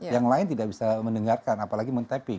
yang lain tidak bisa mendengarkan apalagi men tapping